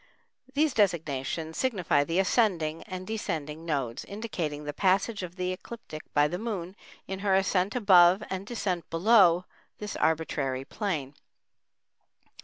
These designations signify the ascending and descending nodes, indicating the passage of the ecliptic by the Moon in her ascent above and descent below this arbitrary plane.